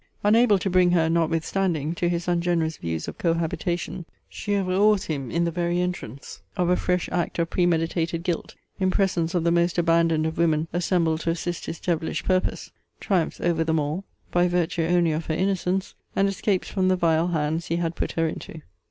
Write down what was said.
Unable to bring her, notwithstanding, to his ungenerous views of cohabitation, she over awes him in the very entrance of a fresh act of premeditated guilt, in presence of the most abandoned of women assembled to assist his devilish purpose; triumphs over them all, by virtue only of her innocence; and escapes from the vile hands he had put her into.